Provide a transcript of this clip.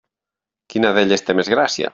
Quina d'elles té més gràcia?